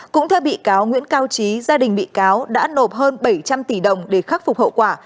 cũng theo bị cáo nguyễn cao trí gia đình bị cáo đã nộp hơn bảy trăm linh tỷ đồng để khắc phục hậu quả